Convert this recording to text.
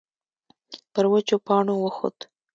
پر وچو پاڼو وخوت.